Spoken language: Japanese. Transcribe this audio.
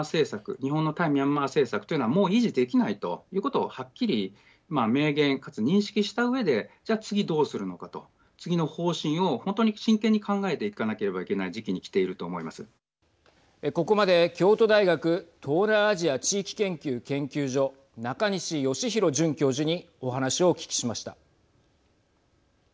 日本の対ミャンマー政策というのはもう維持できないということをはっきり明言かつ認識したうえでじゃあ次、どうするのかと次の方針を本当に真剣に考えていけなければいけない時期にきているとここまで京都大学・東南アジア地域研究研究所中西嘉宏准教授にお話をお聞きしました。